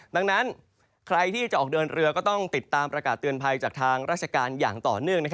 ดังนั้นใครที่จะออกเดินเรือก็ต้องติดตามประกาศเตือนภัยจากทางราชการอย่างต่อเนื่อง